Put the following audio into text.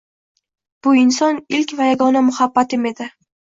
Bu inson ilk va yagona muhabbatim edi